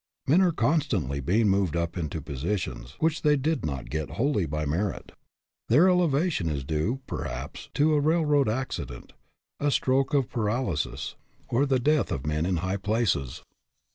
Men are constantly being moved up into positions which they did not get wholly by merit. Their elevation is due, per 217 218 WHAT HAS LUCK DONE? haps, to a railroad accident, a stroke of paraly sis, or the death of men in high places.